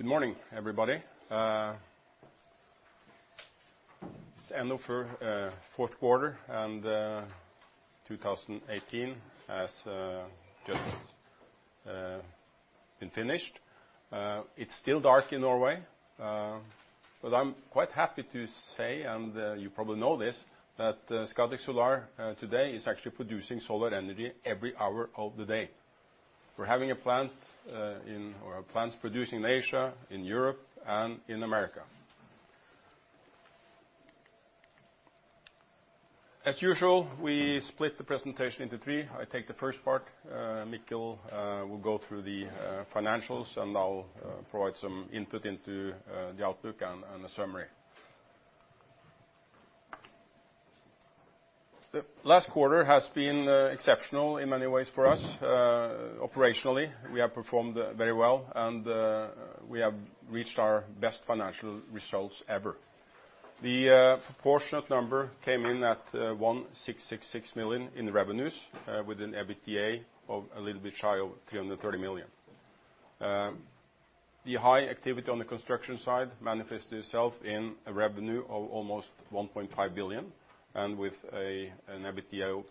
Good morning, everybody. It's end of our fourth quarter and 2018 has just been finished. It's still dark in Norway, but I'm quite happy to say, and you probably know this, that Scatec Solar today is actually producing solar energy every hour of the day. We're having plants producing in Asia, in Europe and in America. As usual, we split the presentation into three. I take the first part, Mikkel will go through the financials, and I'll provide some input into the outlook and the summary. The last quarter has been exceptional in many ways for us. Operationally, we have performed very well, and we have reached our best financial results ever. The proportionate number came in at 1.666 million in revenues within EBITDA of a little bit shy of 330 million. The high activity on the construction side manifests itself in a revenue of almost 1.5 billion and with an EBITDA of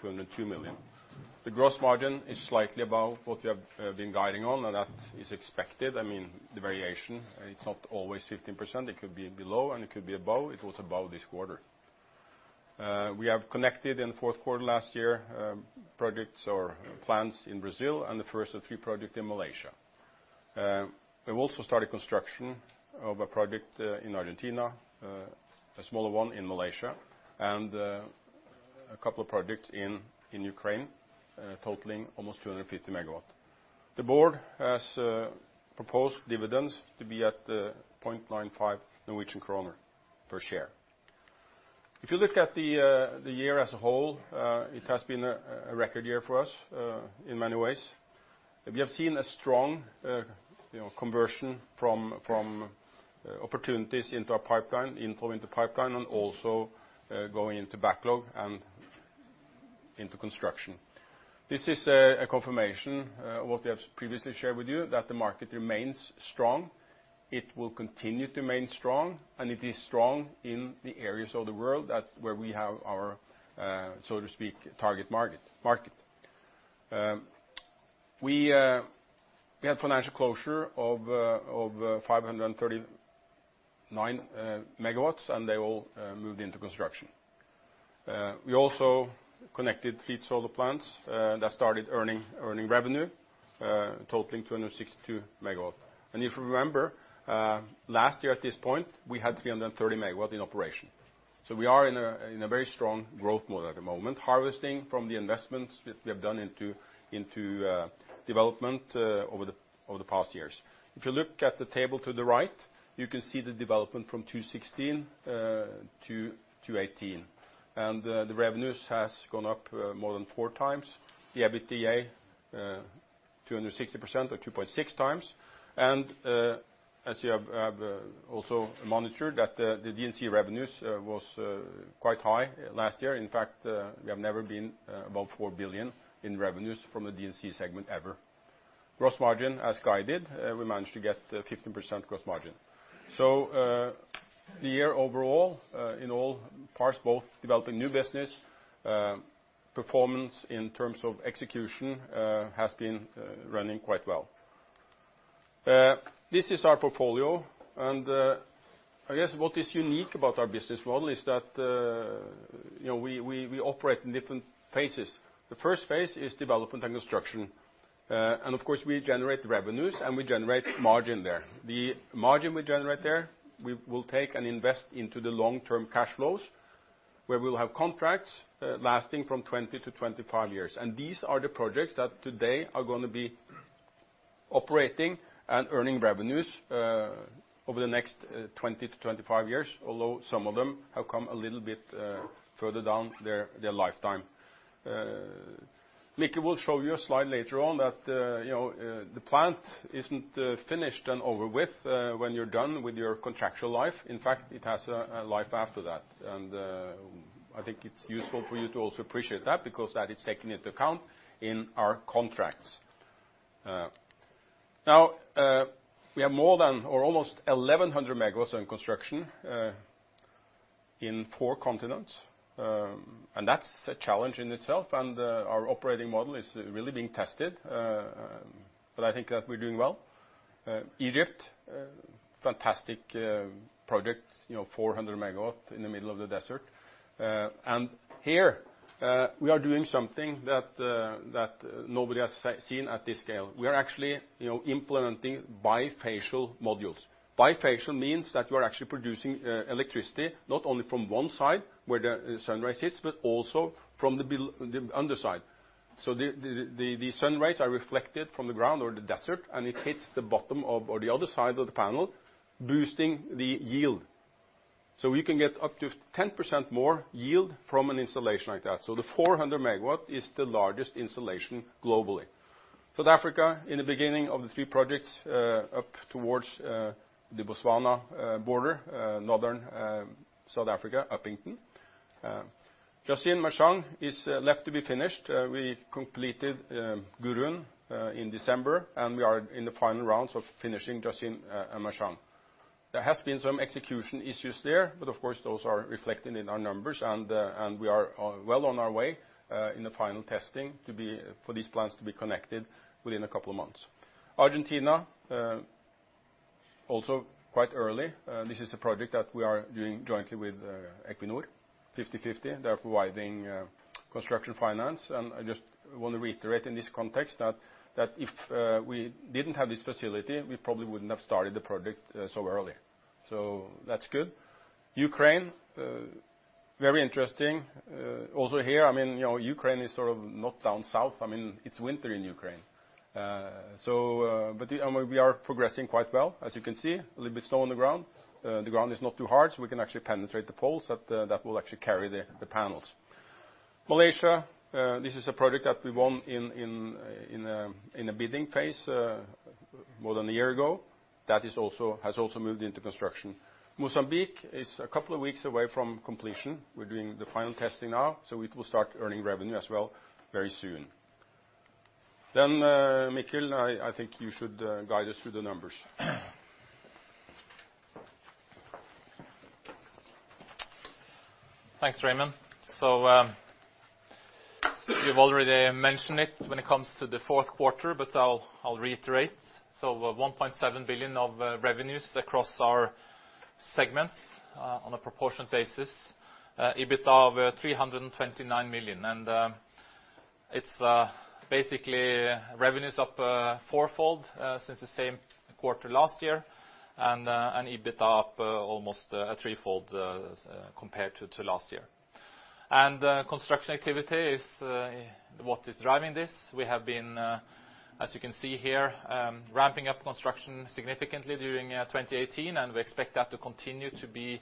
202 million. The gross margin is slightly above what we have been guiding on, and that is expected. I mean, the variation, it's not always 15%. It could be below and it could be above. It was above this quarter. We have connected in the fourth quarter last year, projects or plants in Brazil and the first of three project in Malaysia. We've also started construction of a project in Argentina, a smaller one in Malaysia, and a couple of projects in Ukraine, totaling almost 250 MW. The board has proposed dividends to be at 0.95 Norwegian kroner per share. If you look at the year as a whole, it has been a record year for us, in many ways. We have seen a strong conversion from opportunities into our pipeline, inflow into pipeline, and also going into backlog and into construction. This is a confirmation of what we have previously shared with you, that the market remains strong. It will continue to remain strong, and it is strong in the areas of the world that where we have our, so to speak, target market. We had financial closure of 539 MW, and they all moved into construction. We also connected three solar plants that started earning revenue, totaling 262 MW. If you remember, last year at this point, we had 330 MW in operation. We are in a very strong growth mode at the moment, harvesting from the investments that we have done into development over the past years. If you look at the table to the right, you can see the development from 2016 to 2018. The revenues has gone up more than four times the EBITDA, 260% or 2.6x. As you have also monitored that the D&C revenues was quite high last year. In fact, we have never been above 4 billion in revenues from the D&C segment ever. Gross margin as guided, we managed to get 15% gross margin. The year overall, in all parts, both developing new business, performance in terms of execution, has been running quite well. This is our portfolio. I guess what is unique about our business model is that we operate in different phases. The first phase is development and construction. Of course, we generate revenues and we generate margin there. The margin we generate there, we will take and invest into the long-term cash flows where we'll have contracts lasting from 20 to 25 years. These are the projects that today are going to be operating and earning revenues over the next 20 to 25 years, although some of them have come a little bit further down their lifetime. Mikkel will show you a slide later on that the plant isn't finished and over with when you're done with your contractual life. In fact, it has a life after that. I think it's useful for you to also appreciate that because that is taken into account in our contracts. Now, we have more than or almost 1,100 MW in construction. In four continents, that's a challenge in itself. Our operating model is really being tested, but I think that we're doing well. Egypt, fantastic project, 400 MW in the middle of the desert. Here we are doing something that nobody has seen at this scale. We are actually implementing bifacial modules. Bifacial means that we are actually producing electricity, not only from one side where the sunrise hits, but also from the underside. The sunrays are reflected from the ground or the desert, and it hits the bottom or the other side of the panel, boosting the yield. We can get up to 10% more yield from an installation like that. The 400 MW is the largest installation globally. South Africa, in the beginning of the three projects, up towards the Botswana border. Northern South Africa, Upington. Jasin and Merchang is left to be finished. We completed Gurun in December, and we are in the final rounds of finishing Jasin and Merchang. There has been some execution issues there, but of course, those are reflected in our numbers, and we are well on our way in the final testing for these plants to be connected within a couple of months. Argentina, also quite early. This is a project that we are doing jointly with Equinor, 50/50. They're providing construction finance. I just want to reiterate in this context that if we didn't have this facility, we probably wouldn't have started the project so early. That's good. Ukraine, very interesting. Also here, Ukraine is sort of not down south. It's winter in Ukraine. We are progressing quite well. As you can see, a little bit snow on the ground. The ground is not too hard, we can actually penetrate the poles that will actually carry the panels. Malaysia, this is a project that we won in a bidding phase, more than a year ago. That has also moved into construction. Mozambique is a couple of weeks away from completion. We're doing the final testing now, it will start earning revenue as well very soon. Mikkel, I think you should guide us through the numbers. Thanks, Raymond. You've already mentioned it when it comes to the fourth quarter, I'll reiterate. 1.7 billion of revenues across our segments, on a proportionate basis. EBITDA of 329 million. It's basically revenues up fourfold since the same quarter last year, and EBITDA up almost threefold compared to last year. Construction activity is what is driving this. We have been, as you can see here, ramping up construction significantly during 2018, and we expect that to continue to be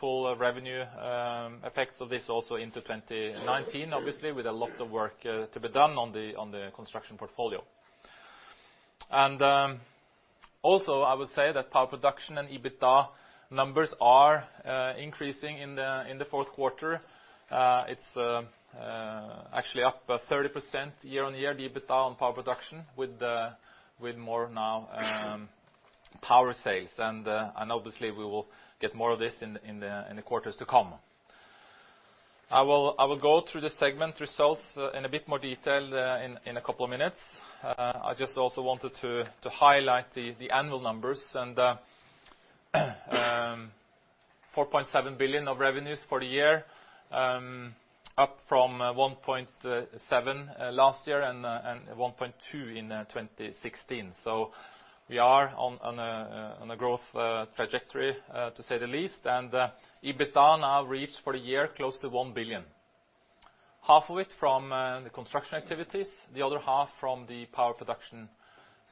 full revenue effects of this also into 2019, obviously, with a lot of work to be done on the construction portfolio. I would say that power production and EBITDA numbers are increasing in the fourth quarter. It's actually up 30% year-on-year, the EBITDA on power production with more now power sales. Obviously, we will get more of this in the quarters to come. I will go through the segment results in a bit more detail in a couple of minutes. I just also wanted to highlight the annual numbers. 4.7 billion of revenues for the year, up from 1.7 billion last year and 1.2 billion in 2016. We are on a growth trajectory, to say the least. EBITDA now reached, for the year, close to 1 billion. Half of it from the construction activities, the other half from the power production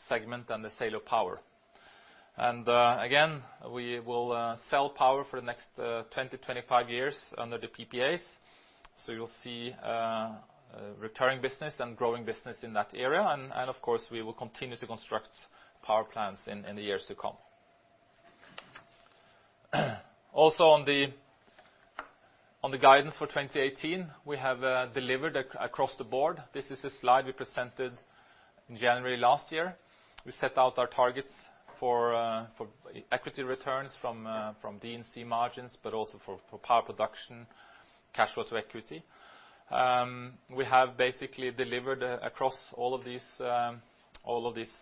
segment and the sale of power. Again, we will sell power for the next 20 to 25 years under the PPAs. You'll see recurring business and growing business in that area. Of course, we will continue to construct power plants in the years to come. On the guidance for 2018, we have delivered across the board. This is a slide we presented in January last year. We set out our targets for equity returns from D&C margins, but also for power production, cash flow to equity. We have basically delivered across all of these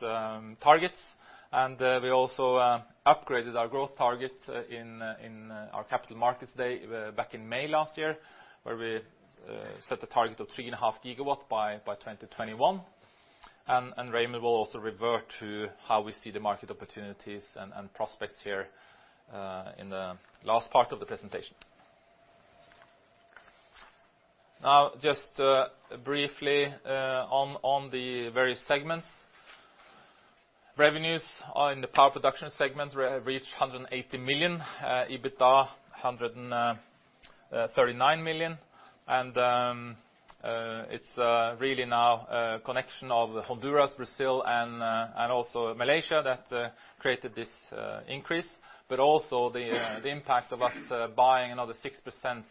targets. We also upgraded our growth target in our capital markets day back in May last year, where we set a target of 3.5 GW by 2021. Raymond will also revert to how we see the market opportunities and prospects here in the last part of the presentation. Just briefly on the various segments. Revenues in the power production segment have reached 180 million. EBITDA, 139 million. It's really now a connection of Honduras, Brazil, and also Malaysia that created this increase. Also the impact of us buying another 6%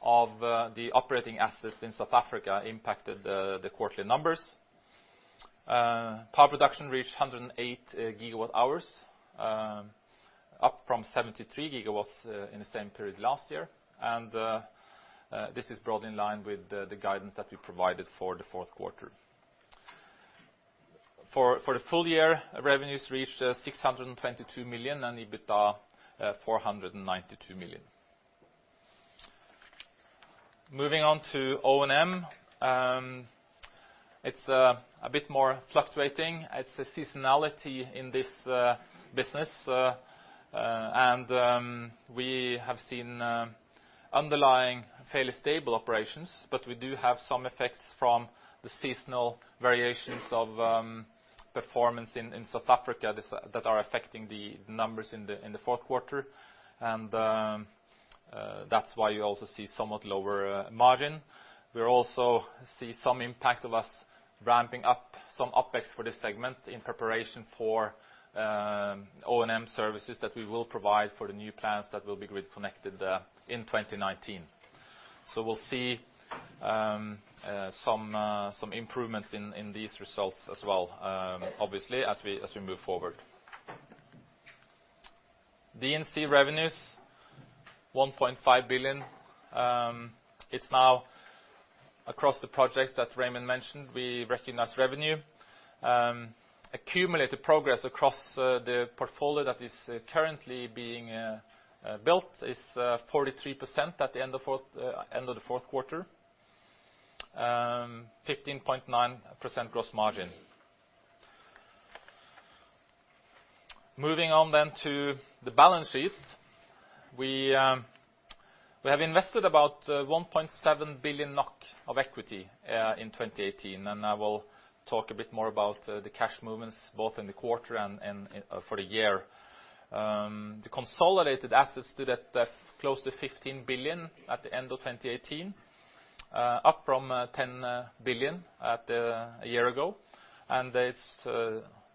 of the operating assets in South Africa impacted the quarterly numbers. Power production reached 108 GWh, up from 73 GW in the same period last year. This is brought in line with the guidance that we provided for the fourth quarter. For the full year, revenues reached 622 million and EBITDA 492 million. Moving on to O&M. It's a bit more fluctuating. It's a seasonality in this business. We have seen underlying fairly stable operations, but we do have some effects from the seasonal variations of performance in South Africa that are affecting the numbers in the fourth quarter. That's why you also see somewhat lower margin. We also see some impact of us ramping up some OpEx for this segment in preparation for O&M services that we will provide for the new plants that will be grid connected in 2019. We'll see some improvements in these results as well, obviously, as we move forward. D&C revenues, 1.5 billion. It's now across the projects that Raymond mentioned, we recognize revenue. Accumulated progress across the portfolio that is currently being built is 43% at the end of the fourth quarter. 15.9% gross margin. Moving on to the balance sheet. We have invested about 1.7 billion NOK of equity in 2018. I will talk a bit more about the cash movements, both in the quarter and for the year. The consolidated assets stood at close to 15 billion at the end of 2018, up from 10 billion a year ago. It's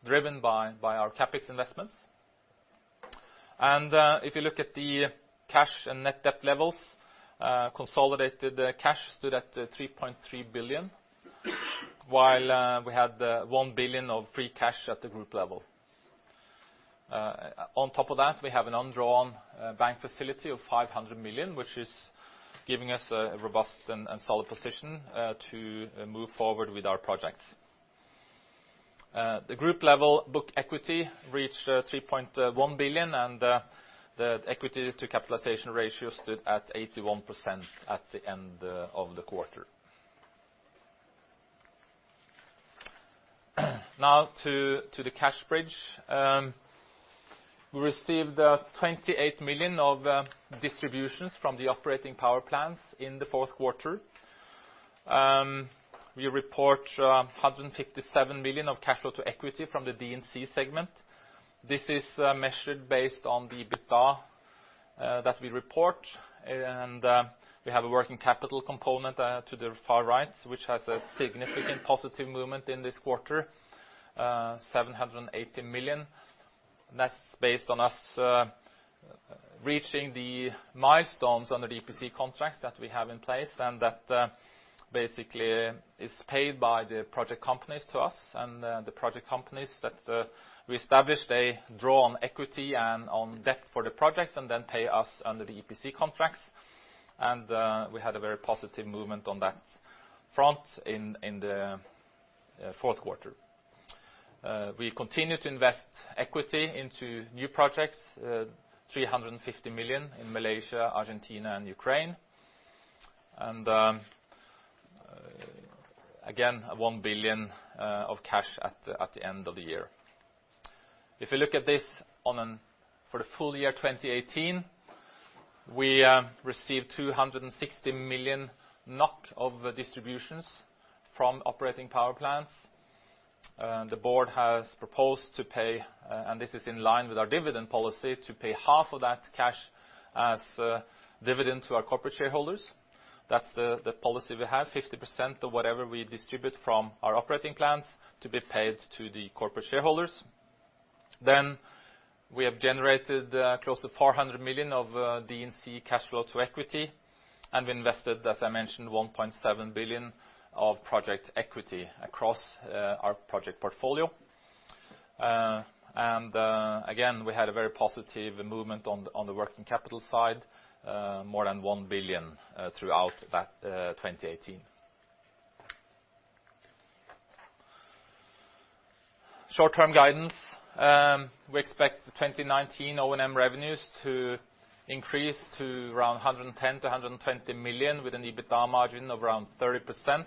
driven by our CapEx investments. If you look at the cash and net debt levels, consolidated cash stood at 3.3 billion, while we had 1 billion of free cash at the group level. On top of that, we have an undrawn bank facility of 500 million, which is giving us a robust and solid position to move forward with our projects. The group level book equity reached 3.1 billion, and the equity to capitalization ratio stood at 81% at the end of the quarter. Now to the cash bridge. We received 28 million of distributions from the operating power plants in the fourth quarter. We report 157 million of cash flow to equity from the D&C segment. This is measured based on the EBITDA that we report. We have a working capital component to the far right, which has a significant positive movement in this quarter, 780 million. That's based on us reaching the milestones under the EPC contracts that we have in place. That basically is paid by the project companies to us. The project companies that we established, they draw on equity and on debt for the projects then pay us under the EPC contracts. We had a very positive movement on that front in the fourth quarter. We continue to invest equity into new projects, 350 million in Malaysia, Argentina, and Ukraine. Again, 1 billion of cash at the end of the year. If we look at this for the full year 2018, we received 260 million NOK of distributions from operating power plants. The board has proposed to pay, this is in line with our dividend policy, to pay half of that cash as dividend to our corporate shareholders. That's the policy we have, 50% of whatever we distribute from our operating plans to be paid to the corporate shareholders. We have generated close to 400 million of D&C cash flow to equity. We invested, as I mentioned, 1.7 billion of project equity across our project portfolio. Again, we had a very positive movement on the working capital side, more than 1 billion throughout that 2018. Short-term guidance. We expect the 2019 O&M revenues to increase to around 110 million-120 million with an EBITDA margin of around 30%.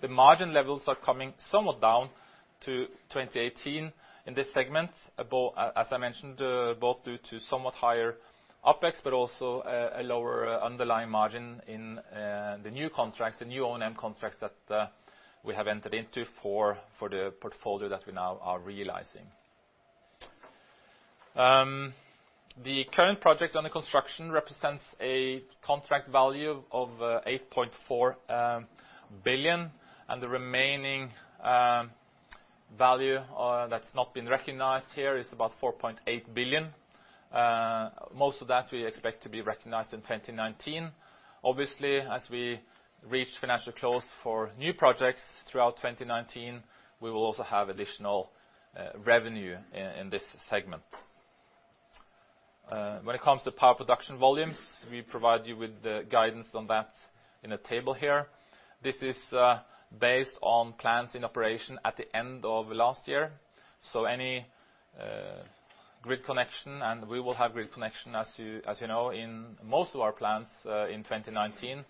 The margin levels are coming somewhat down to 2018 in this segment, as I mentioned, both due to somewhat higher OpEx also a lower underlying margin in the new contracts, the new O&M contracts that we have entered into for the portfolio that we now are realizing. The current project under construction represents a contract value of 8.4 billion. The remaining value that's not been recognized here is about 4.8 billion. Most of that we expect to be recognized in 2019. Obviously, as we reach financial close for new projects throughout 2019, we will also have additional revenue in this segment. When it comes to power production volumes, we provide you with the guidance on that in a table here. This is based on plans in operation at the end of last year. Any grid connection, we will have grid connection, as you know, in most of our plants in 2019.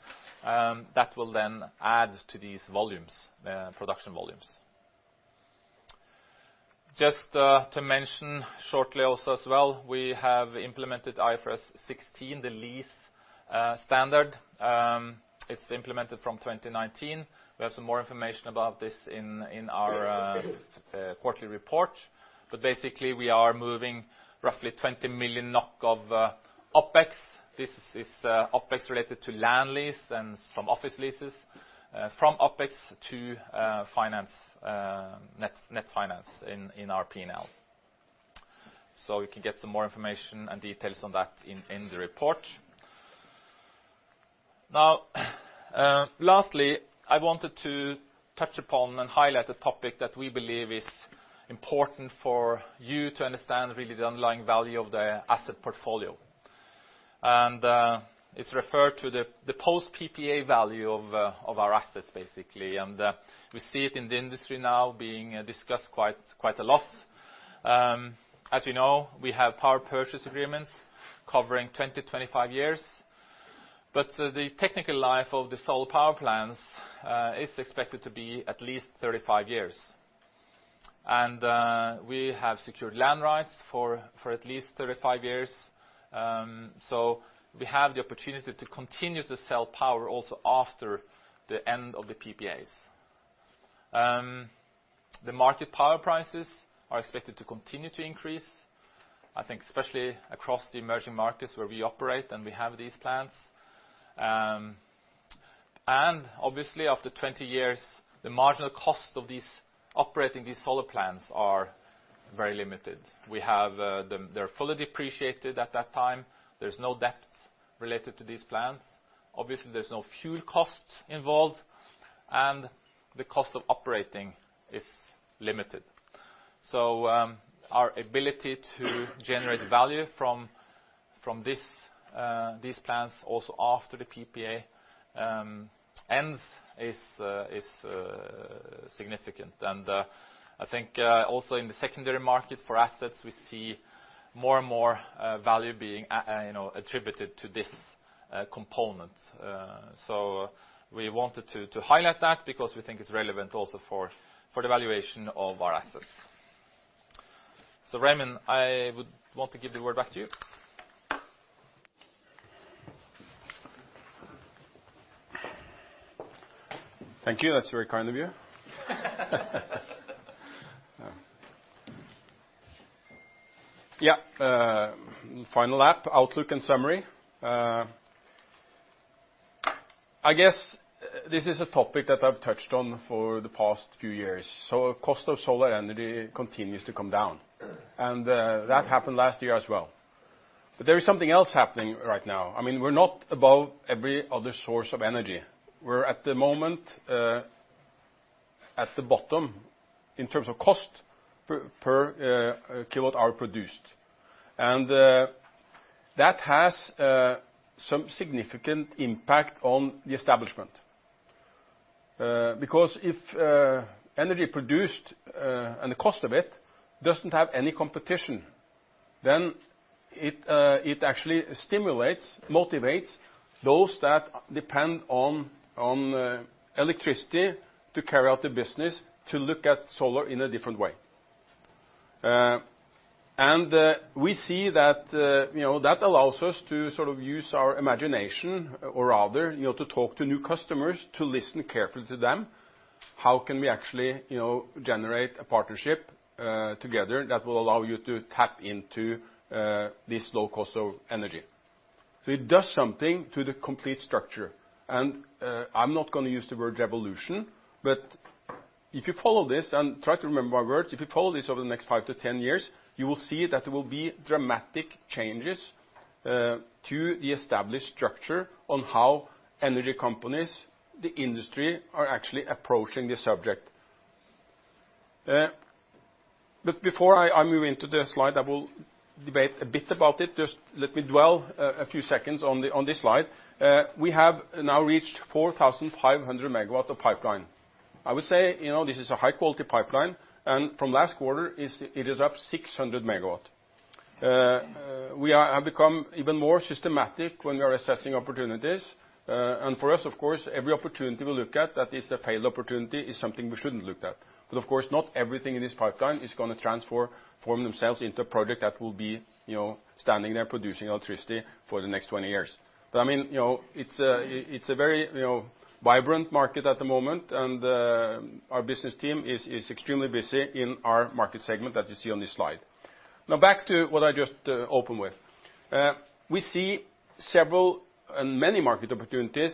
That will add to these production volumes. Just to mention shortly also as well, we have implemented IFRS 16, the lease standard. It's implemented from 2019. We have some more information about this in our quarterly report. Basically, we are moving roughly 20 million NOK of OpEx. This is OpEx related to land lease and some office leases from OpEx to net finance in our P&L. You can get some more information and details on that in the report. Now, lastly, I wanted to touch upon and highlight a topic that we believe is important for you to understand really the underlying value of the asset portfolio. It's referred to the post-PPA value of our assets, basically. We see it in the industry now being discussed quite a lot. As you know, we have Power Purchase Agreements covering 20-25 years. The technical life of the solar power plants is expected to be at least 35 years. We have secured land rights for at least 35 years. We have the opportunity to continue to sell power also after the end of the PPAs. The market power prices are expected to continue to increase, I think especially across the emerging markets where we operate and we have these plants. Obviously, after 20 years, the marginal cost of operating these solar plants are very limited. They're fully depreciated at that time. There's no debts related to these plants. Obviously, there's no fuel costs involved, and the cost of operating is limited. Our ability to generate value from these plants also after the PPA ends is significant. I think also in the secondary market for assets, we see more and more value being attributed to this component. We wanted to highlight that because we think it's relevant also for the valuation of our assets. Raymond, I would want to give the word back to you. Thank you. That's very kind of you. Yeah. Final lap, outlook and summary. I guess this is a topic that I've touched on for the past few years. Cost of solar energy continues to come down, that happened last year as well. There is something else happening right now. We're not above every other source of energy. We're at the moment at the bottom in terms of cost per kilowatt hour produced. If energy produced and the cost of it doesn't have any competition, it actually stimulates, motivates those that depend on electricity to carry out their business to look at solar in a different way. We see that allows us to sort of use our imagination, or rather, to talk to new customers, to listen carefully to them. How can we actually generate a partnership together that will allow you to tap into this low cost of energy? It does something to the complete structure. I'm not going to use the word revolution, but if you follow this and try to remember my words, if you follow this over the next 5-10 years, you will see that there will be dramatic changes to the established structure on how energy companies, the industry, are actually approaching the subject. Before I move into the slide, I will debate a bit about it. Just let me dwell a few seconds on this slide. We have now reached 4,500 MW of pipeline. I would say this is a high-quality pipeline, and from last quarter, it is up 600 MW. We have become even more systematic when we are assessing opportunities. For us, of course, every opportunity we look at that is a failed opportunity is something we shouldn't look at. Of course, not everything in this pipeline is going to transform themselves into a project that will be standing there producing electricity for the next 20 years. It's a very vibrant market at the moment, and our business team is extremely busy in our market segment that you see on this slide. Now back to what I just opened with. We see several and many market opportunities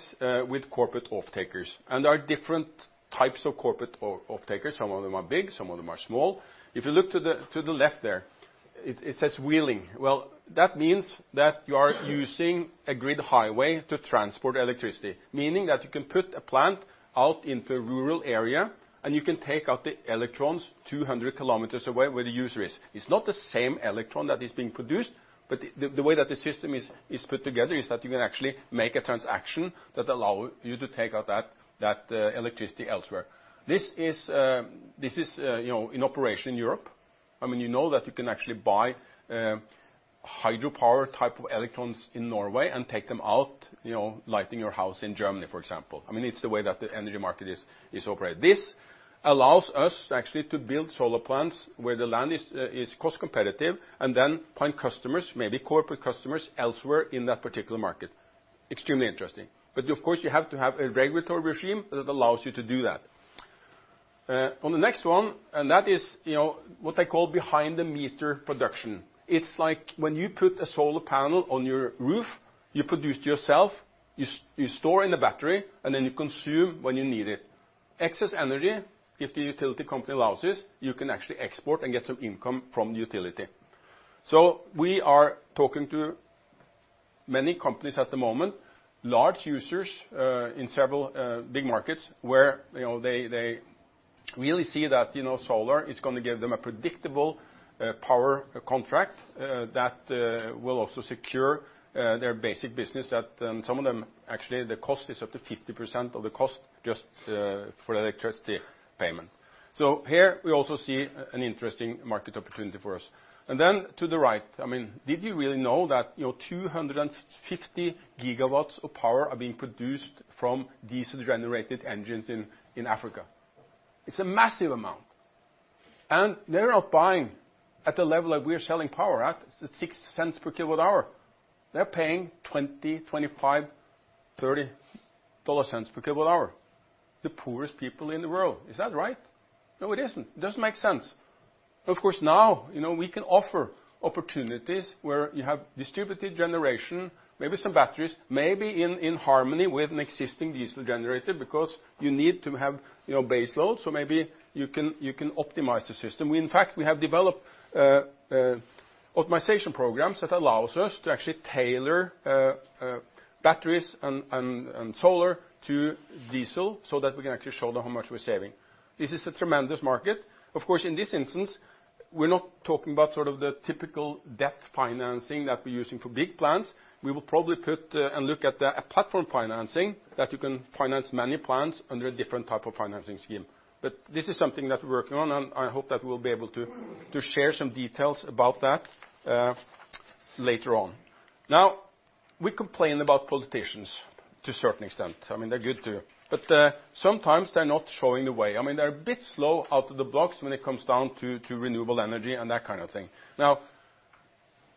with corporate off-takers. There are different types of corporate off-takers. Some of them are big, some of them are small. If you look to the left there, it says wheeling. Well, that means that you are using a grid highway to transport electricity, meaning that you can put a plant out into a rural area, and you can take out the electrons 200 km away where the user is. It's not the same electron that is being produced, but the way that the system is put together is that you can actually make a transaction that allows you to take out that electricity elsewhere. This is in operation in Europe. You know that you can actually buy hydropower type of electrons in Norway and take them out, lighting your house in Germany, for example. It's the way that the energy market is operated. This allows us actually to build solar plants where the land is cost competitive and then find customers, maybe corporate customers, elsewhere in that particular market. Extremely interesting. Of course, you have to have a regulatory regime that allows you to do that. On the next one, that is what I call behind the meter production. It's like when you put a solar panel on your roof, you produce yourself, you store in a battery, and then you consume when you need it. Excess energy, if the utility company allows this, you can actually export and get some income from the utility. We are talking to many companies at the moment, large users in several big markets, where they really see that solar is going to give them a predictable power contract that will also secure their basic business that, some of them actually, the cost is up to 50% of the cost just for electricity payment. Here we also see an interesting market opportunity for us. To the right, did you really know that 250 GW of power are being produced from diesel-generated engines in Africa? It's a massive amount. They're not buying at the level that we're selling power at, the $0.60 per KWh. They're paying $0.20, $0.25, $0.30 per KWh, the poorest people in the world. Is that right? No, it isn't. It doesn't make sense. Of course, now we can offer opportunities where you have distributed generation, maybe some batteries, maybe in harmony with an existing diesel generator, because you need to have baseload, so maybe you can optimize the system. In fact, we have developed optimization programs that allows us to actually tailor batteries and solar to diesel so that we can actually show them how much we're saving. This is a tremendous market. Of course, in this instance, we're not talking about the typical debt financing that we're using for big plants. We will probably put and look at a platform financing that you can finance many plants under a different type of financing scheme. This is something that we're working on, and I hope that we'll be able to share some details about that later on. We complain about politicians to a certain extent. They're good too, but sometimes they're not showing the way. They're a bit slow out of the blocks when it comes down to renewable energy and that kind of thing.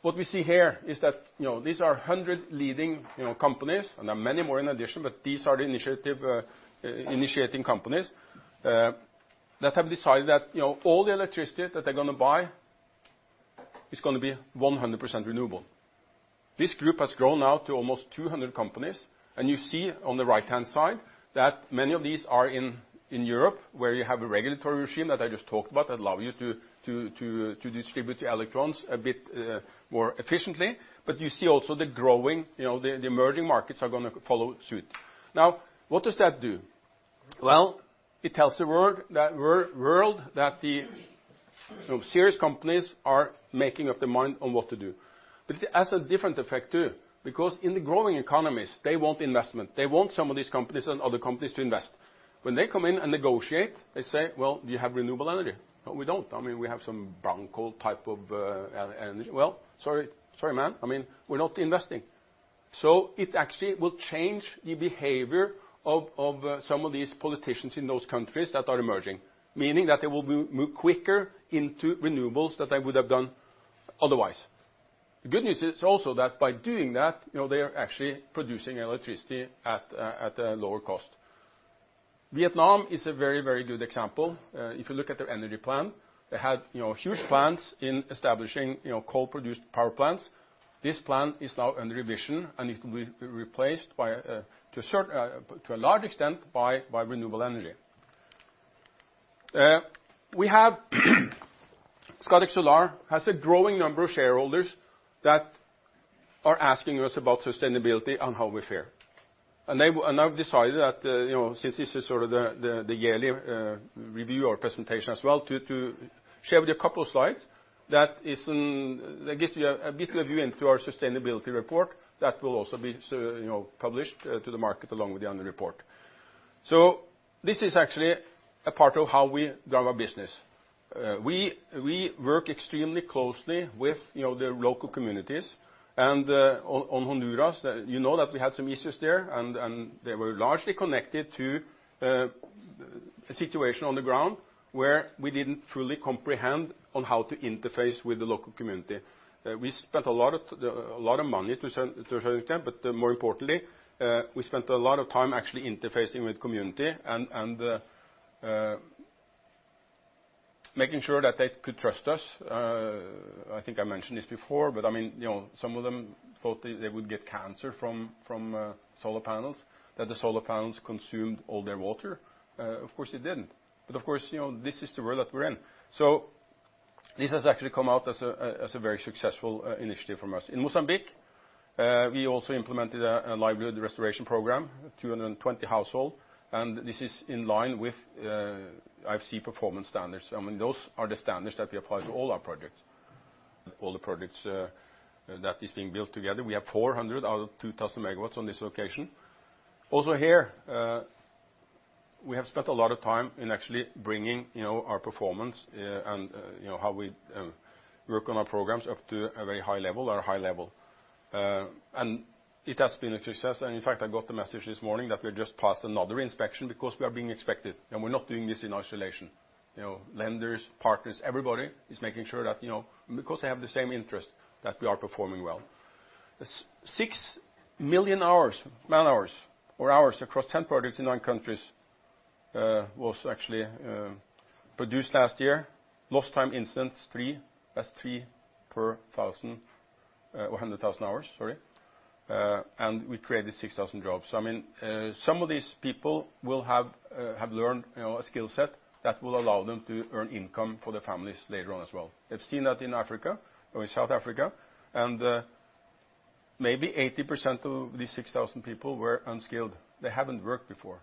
What we see here is that these are 100 leading companies, and there are many more in addition, but these are the initiating companies that have decided that all the electricity that they're going to buy is going to be 100% renewable. This group has grown now to almost 200 companies, and you see on the right-hand side that many of these are in Europe, where you have a regulatory regime that I just talked about that allow you to distribute the electrons a bit more efficiently. You see also the growing, the emerging markets are going to follow suit. What does that do? Well, it tells the world that the serious companies are making up their mind on what to do. It has a different effect, too, because in the growing economies, they want investment. They want some of these companies and other companies to invest. When they come in and negotiate, they say, "Well, do you have renewable energy?" "No, we don't. We have some brown coal type of energy." "Well, sorry, man. We're not investing." It actually will change the behavior of some of these politicians in those countries that are emerging, meaning that they will move quicker into renewables than they would have done otherwise. The good news is also that by doing that, they are actually producing electricity at a lower cost. Vietnam is a very, very good example. If you look at their energy plan, they had huge plans in establishing coal-produced power plants. This plan is now under revision, and it will be replaced to a large extent by renewable energy. Scatec Solar has a growing number of shareholders that are asking us about sustainability and how we fare. I've decided that since this is sort of the yearly review or presentation as well, to share with you a couple of slides that gives you a bit of a view into our sustainability report that will also be published to the market along with the annual report. This is actually a part of how we drive our business. We work extremely closely with the local communities. On Honduras, you know that we had some issues there, and they were largely connected to a situation on the ground where we didn't truly comprehend on how to interface with the local community. We spent a lot of money to a certain extent, but more importantly, we spent a lot of time actually interfacing with the community and making sure that they could trust us. I think I mentioned this before, some of them thought they would get cancer from solar panels, that the solar panels consumed all their water. Of course they didn't. Of course, this is the world that we're in. This has actually come out as a very successful initiative from us. In Mozambique, we also implemented a Livelihood Restoration Program, 220 household, and this is in line with IFC performance standards. Those are the standards that we apply to all our projects. All the projects that are being built together, we have 400 out of 2,000 MW on this location. Also here, we have spent a lot of time in actually bringing our performance and how we work on our programs up to a very high level or a high level. It has been a success. In fact, I got the message this morning that we just passed another inspection because we are being inspected, and we're not doing this in isolation. Lenders, partners, everybody is making sure that, because they have the same interest, that we are performing well. 6 million hours, man hours or hours across 10 projects in 9 countries, was actually produced last year. Lost time incidents, three. That's three per 100,000 hours. We created 6,000 jobs. Some of these people will have learned a skill set that will allow them to earn income for their families later on as well. They've seen that in Africa or in South Africa, and maybe 80% of these 6,000 people were unskilled. They haven't worked before.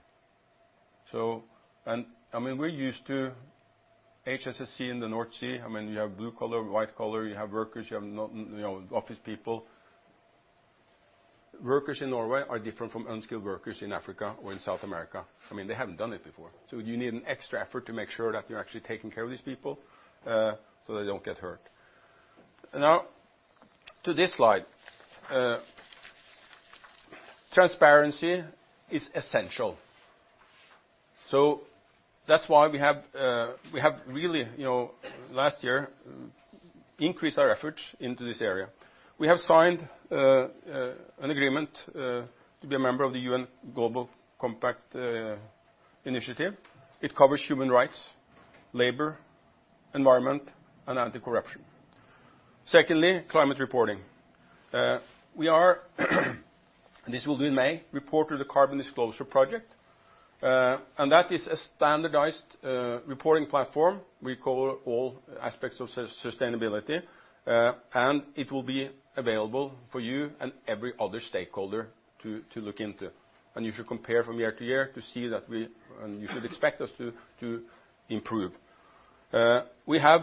We're used to HSE in the North Sea. You have blue collar, white collar, you have workers, you have office people. Workers in Norway are different from unskilled workers in Africa or in South America. They haven't done it before. You need an extra effort to make sure that you're actually taking care of these people, so they don't get hurt. Now to this slide. Transparency is essential. That's why we have really, last year, increased our efforts into this area. We have signed an agreement to be a member of the UN Global Compact initiative. It covers human rights, labor, environment, and anti-corruption. Secondly, climate reporting. We are and this will be in May, report to the Carbon Disclosure Project. That is a standardized reporting platform. We cover all aspects of sustainability, and it will be available for you and every other stakeholder to look into. You should compare from year to year to see. You should expect us to improve. We have,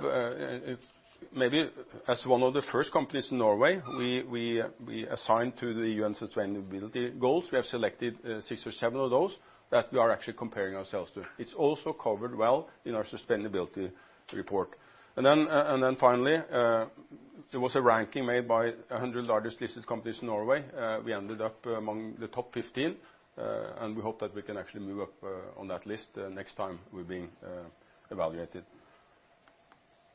maybe as one of the first companies in Norway, we assigned to the U.N. sustainability goals. We have selected six or seven of those that we are actually comparing ourselves to. It is also covered well in our sustainability report. Finally, there was a ranking made by 100 largest listed companies in Norway. We ended up among the top 15, and we hope that we can actually move up on that list next time we're being evaluated.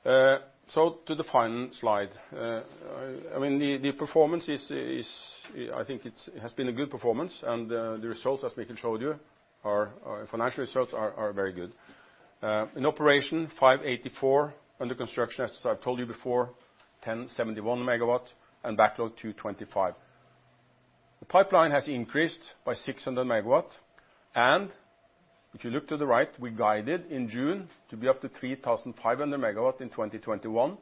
To the final slide. The performance, I think it has been a good performance, and the results, as Mikkel showed you, our financial results are very good. In operation, 584 MW. Under construction, as I've told you before, 1,071 MW, and backlog 225 MW. The pipeline has increased by 600 MW, and if you look to the right, we guided in June to be up to 3,500 MW in 2021.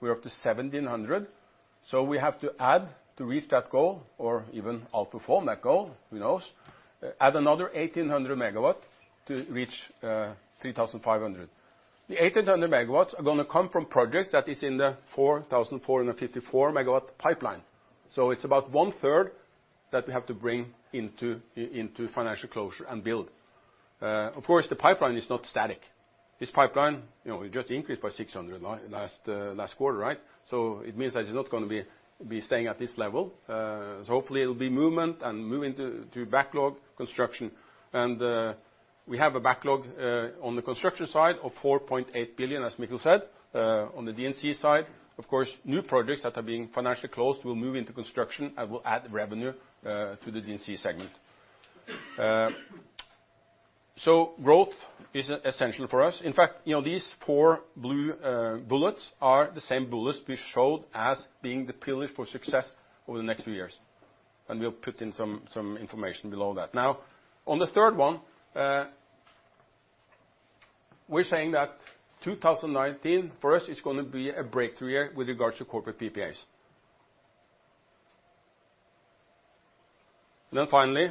We're up to 1,700 MW. We have to add to reach that goal or even outperform that goal, who knows, add another 1,800 MW to reach 3,500 MW. The 1,800 MW are going to come from projects that are in the 4,454 MW pipeline. It's about 1/3 that we have to bring into financial closure and build. Of course, the pipeline is not static. This pipeline, we just increased by 600 MW last quarter. It means that it's not going to be staying at this level. Hopefully there'll be movement and move into backlog construction. We have a backlog on the construction side of 4.8 billion, as Mikkel said, on the D&C side. Of course, new projects that are being financially closed will move into construction and will add revenue to the D&C segment. Growth is essential for us. In fact, these four blue bullets are the same bullets we showed as being the pillars for success over the next few years. We'll put in some information below that. Now on the third one, we're saying that 2019 for us is going to be a breakthrough year with regards to corporate PPAs. Finally,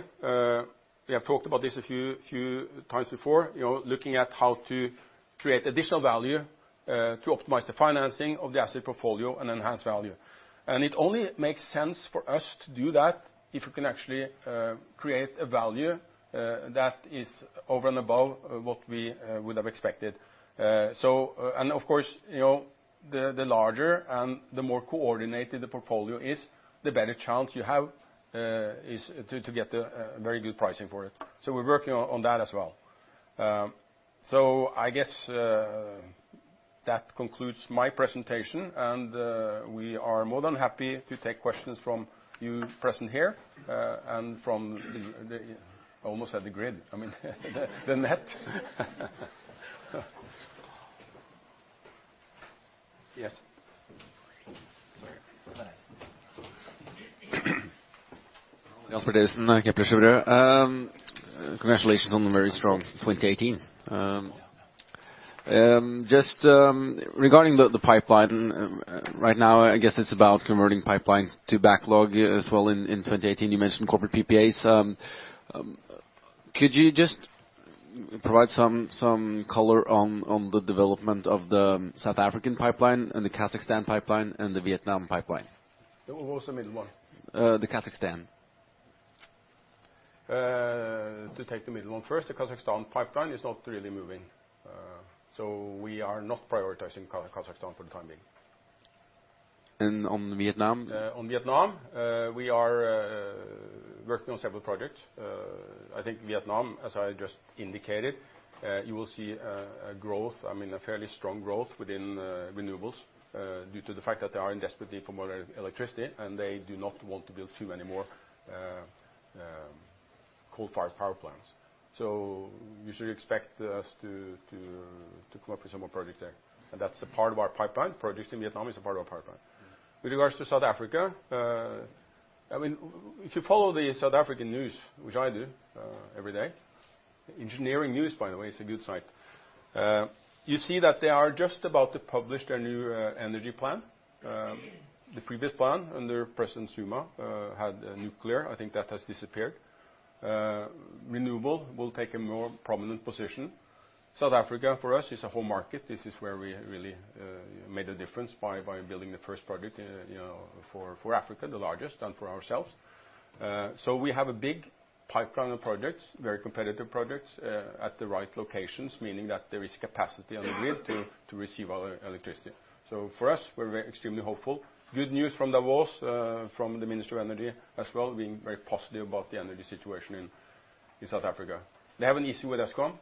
we have talked about this a few times before, looking at how to create additional value to optimize the financing of the asset portfolio and enhance value. It only makes sense for us to do that if we can actually create a value that is over and above what we would have expected. Of course, the larger and the more coordinated the portfolio is, the better chance you have to get a very good pricing for it. We're working on that as well. I guess that concludes my presentation, and we are more than happy to take questions from you present here, and from the I almost said the grid. I mean the net. Yes. Sorry. [Casper Jessen], Kepler Cheuvreux. Congratulations on the very strong 2018. Just regarding the pipeline, right now, I guess it is about converting pipeline to backlog as well in 2018. You mentioned corporate PPAs. Could you just provide some color on the development of the South African pipeline and the Kazakhstan pipeline and the Vietnam pipeline? What was the middle one? The Kazakhstan. To take the middle one first, the Kazakhstan pipeline is not really moving. We are not prioritizing Kazakhstan for the time being. On Vietnam? On Vietnam, we are working on several projects. I think Vietnam, as I just indicated, you will see a fairly strong growth within renewables due to the fact that they are in desperate need for more electricity, and they do not want to build too many more coal fire power plants. You should expect us to come up with some more projects there. That's a part of our pipeline. Projects in Vietnam is a part of our pipeline. With regards to South Africa, if you follow the South African news, which I do every day, Engineering News, by the way, is a good site. You see that they are just about to publish their new energy plan. The previous plan under President Zuma had nuclear. I think that has disappeared. Renewable will take a more prominent position. South Africa for us is a home market. This is where we really made a difference by building the first project for Africa, the largest, and for ourselves. We have a big pipeline of projects, very competitive projects at the right locations, meaning that there is capacity on the grid to receive our electricity. For us, we're extremely hopeful. Good news from Davos from the Minister of Energy as well, being very positive about the energy situation in South Africa. They have an issue with Eskom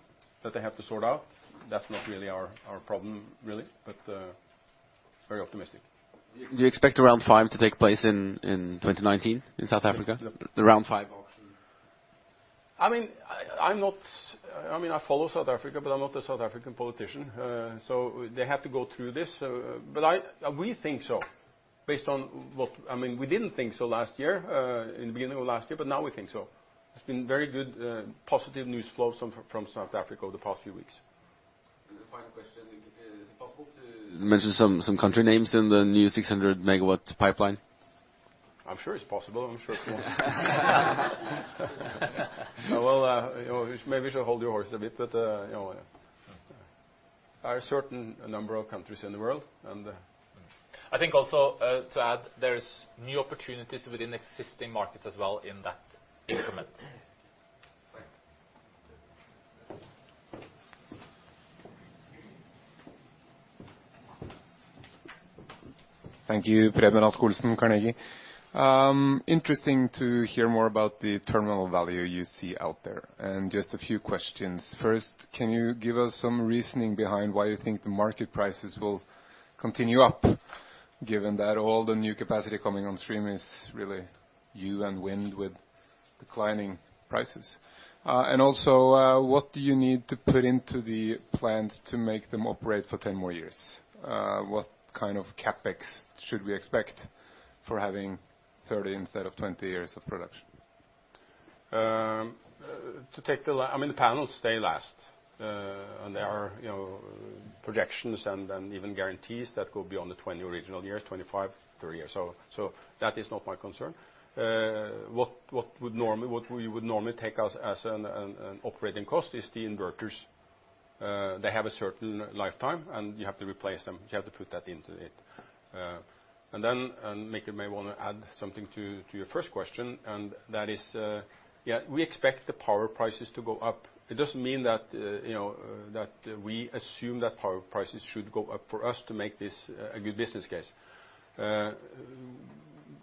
that they have to sort out. That's not really our problem, really. Very optimistic. Do you expect Round five to take place in 2019 in South Africa? Yep. Around Five. I follow South Africa, I'm not a South African politician. They have to go through this. We think so. We didn't think so last year, in the beginning of last year, now we think so. It's been very good positive news flow from South Africa over the past few weeks. The final question, is it possible to- Mention some country names in the new 600 MW pipeline? I'm sure it's possible. I'm sure it's possible. Maybe you should hold your horses a bit. There are a certain number of countries in the world, and I think also to add, there is new opportunities within existing markets as well in that increment. Thanks. Thank you. Preben Rasch-Olsen, Carnegie. Interesting to hear more about the terminal value you see out there. Just a few questions. First, can you give us some reasoning behind why you think the market prices will continue up, given that all the new capacity coming on stream is really you and wind with declining prices? Also, what do you need to put into the plans to make them operate for 10 more years? What kind of CapEx should we expect for having 30 instead of 20 years of production? The panels, they last. There are projections and even guarantees that go beyond the 20 original years, 25, 30 years. That is not my concern. What you would normally take as an operating cost is the inverters. They have a certain lifetime, and you have to replace them. You have to put that into it. Then, Mikkel may want to add something to your first question, and that is, we expect the power prices to go up. It doesn't mean that we assume that power prices should go up for us to make this a good business case.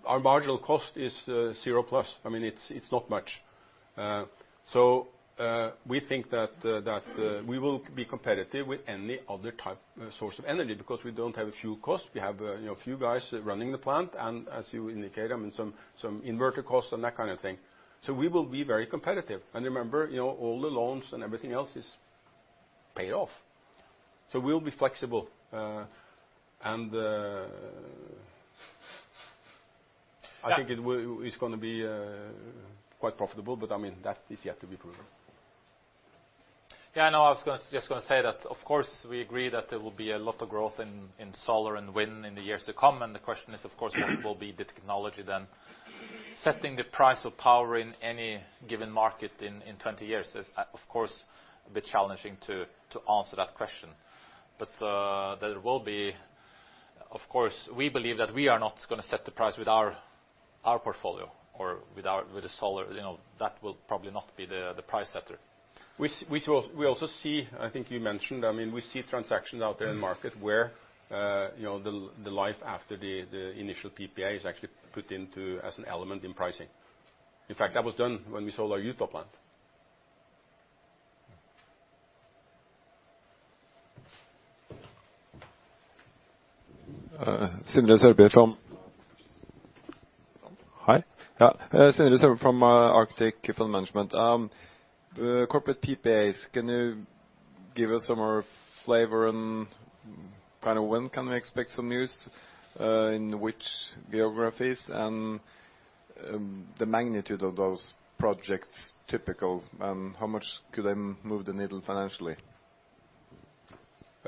Our marginal cost is zero plus. It's not much. We think that we will be competitive with any other source of energy because we don't have a fuel cost. We have a few guys running the plant, as you indicate, some inverter costs and that kind of thing. We will be very competitive. Remember, all the loans and everything else is paid off. We will be flexible. I think it is going to be quite profitable, but that is yet to be proven. Yeah, I know. I was just going to say that, of course, we agree that there will be a lot of growth in solar and wind in the years to come, the question is, of course, what will be the technology then? Setting the price of power in any given market in 20 years is, of course, a bit challenging to answer that question. There will be Of course, we believe that we are not going to set the price with our portfolio or with the solar. That will probably not be the price setter. We also see, I think you mentioned, we see transactions out there in the market where the life after the initial PPA is actually put into as an element in pricing. In fact, that was done when we sold our Utah plant. Sindre Sørbye from Hi. Sindre Sørbye from Arctic Fund Management. Corporate PPAs, can you give us some more flavor on when can we expect some news, in which geographies, and the magnitude of those projects typical, how much could they move the needle financially?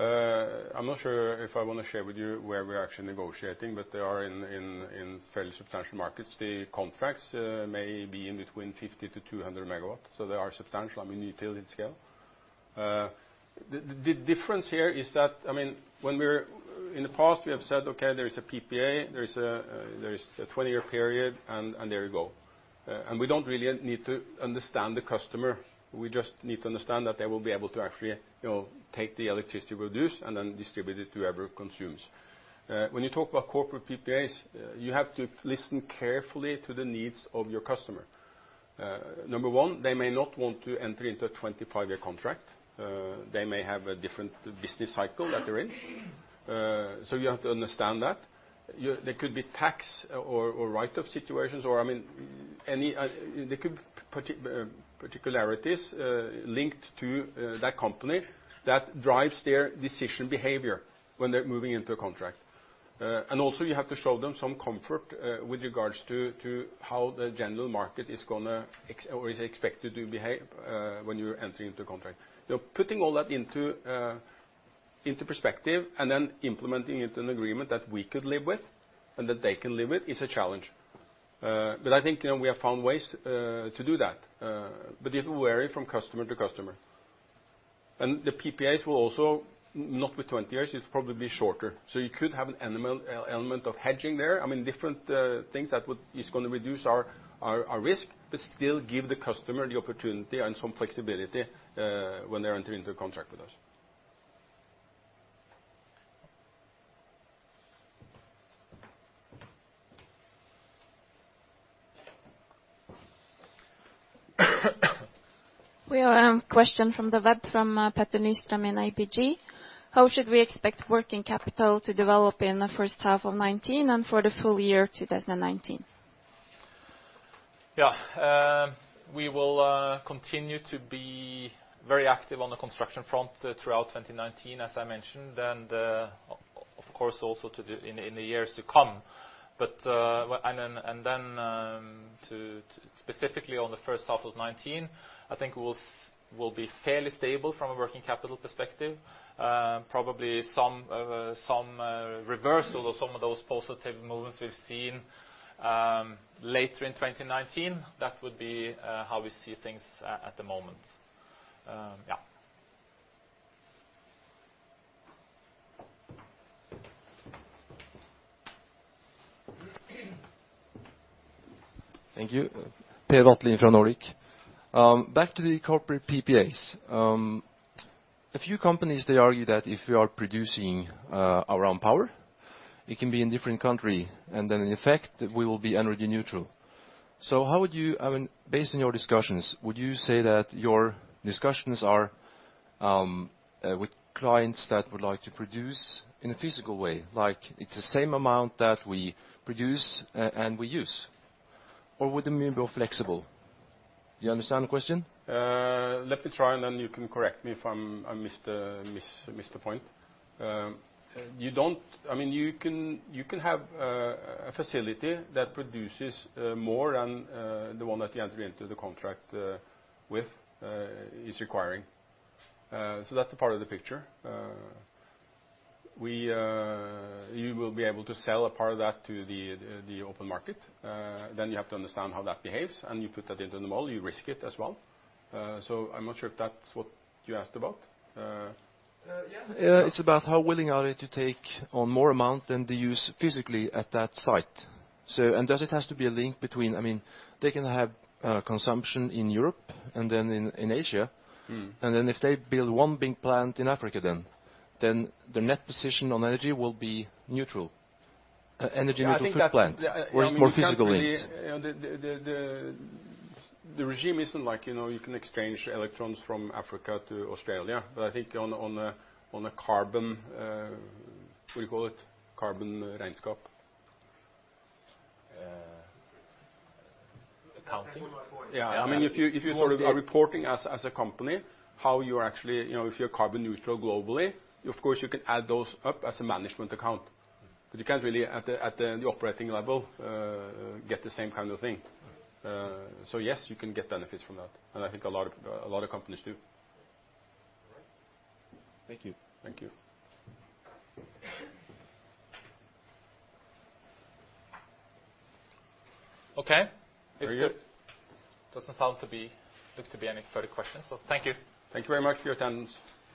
I'm not sure if I want to share with you where we're actually negotiating. They are in fairly substantial markets. The contracts may be in between 50 MW-200 MW. They are substantial. I mean, utility scale. The difference here is that in the past, we have said, okay, there is a PPA, there is a 20-year period. There you go. We don't really need to understand the customer. We just need to understand that they will be able to actually take the electricity we produce and distribute it to whoever consumes. When you talk about corporate PPAs, you have to listen carefully to the needs of your customer. Number one, they may not want to enter into a 25-year contract. They may have a different business cycle that they're in. You have to understand that. There could be tax or write-off situations. There could be particularities linked to that company that drives their decision behavior when they're moving into a contract. Also you have to show them some comfort with regards to how the general market is going to or is expected to behave when you're entering into a contract. Putting all that into perspective and then implementing it in an agreement that we could live with and that they can live with is a challenge. I think we have found ways to do that. It will vary from customer to customer. The PPAs will also not be 20 years. It's probably shorter. You could have an element of hedging there. Different things that is going to reduce our risk, but still give the customer the opportunity and some flexibility when they're entering into a contract with us. We have a question from the web from Petter Nystrøm in ABG. How should we expect working capital to develop in the first half of 2019 and for the full year 2019? We will continue to be very active on the construction front throughout 2019, as I mentioned, and of course, also in the years to come. Specifically on the first half of 2019, I think we'll be fairly stable from a working capital perspective. Probably some reversal of some of those positive movements we've seen later in 2019. That would be how we see things at the moment. Thank you. [Per Vatle] from [Noric]. Back to the corporate PPAs. A few companies, they argue that if you are producing our own power, it can be in different country, and then in effect, we will be energy neutral. Based on your discussions, would you say that your discussions are with clients that would like to produce in a physical way? Like it's the same amount that we produce and we use, or would it be more flexible? Do you understand the question? Let me try. Then you can correct me if I missed the point. You can have a facility that produces more than the one that you enter into the contract with is requiring. That's a part of the picture. You will be able to sell a part of that to the open market. You have to understand how that behaves, and you put that into the model. You risk it as well. I'm not sure if that's what you asked about. It's about how willing are they to take on more amount than they use physically at that site. Does it have to be a link between, they can have consumption in Europe and then in Asia. If they build one big plant in Africa then, the net position on energy will be neutral. Energy neutral for that plant. Where is more physical links? The regime isn't like you can exchange electrons from Africa to Australia. I think on a carbon, what do you call it? Carbon regnskap. Accounting. Yeah. If you are reporting as a company, how you are actually, if you're carbon neutral globally, of course you can add those up as a management account, you can't really at the operating level get the same kind of thing. Yes, you can get benefits from that, and I think a lot of companies do. Thank you. Thank you. Okay. It doesn't look to be any further questions, so thank you. Thank you very much for your attendance.